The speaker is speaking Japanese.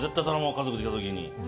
家族で来た時に。